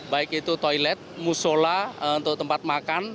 baik itu toilet musola untuk tempat makan